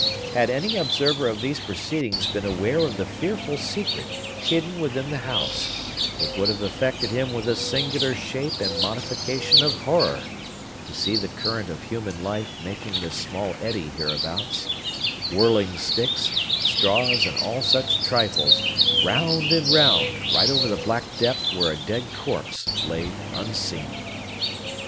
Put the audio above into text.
Had any observer of these proceedings been aware of the fearful secret hidden within the house, it would have affected him with a singular shape and modification of horror, to see the current of human life making this small eddy hereabouts,—whirling sticks, straws and all such trifles, round and round, right over the black depth where a dead corpse lay unseen!